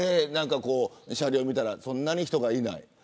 車両を見たらそんなに人がいない。